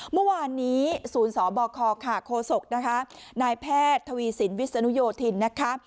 เมื่อวานนี้ศูนย์สบคค่ะโคศกนะคะนายแพทย์ทวีสินวิศนุโยธินนะคะ